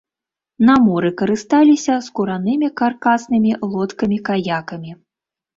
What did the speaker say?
На моры карысталіся скуранымі каркаснымі лодкамі-каякамі.